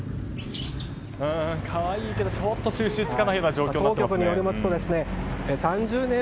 可愛いけどちょっと収集つかない状況ですね。